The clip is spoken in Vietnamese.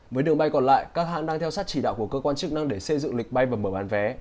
với đường bay còn lại các hãng đang theo sát chỉ đạo của cơ quan chức năng để xây dựng lịch bay và mở bán vé